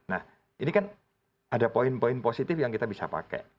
nah ini kan ada poin poin positif yang kita bisa pakai